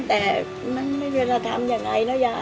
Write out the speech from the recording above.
แต่มันไม่เวลาทำอย่างไรนะยาย